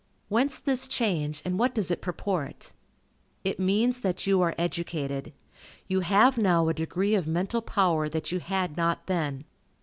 Whence this change, and what does it purport? It means that you are educated. You have now a degree of mental power that you had not then.